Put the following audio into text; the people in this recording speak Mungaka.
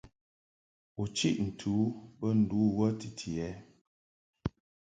U chiʼ ntɨ u bə ndu wə titi ɛ?